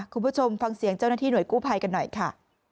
คุณผู้ชมฟังเสียงเจ้าหน้าที่หน่วยกู้ภัยกันหน่อยค่ะ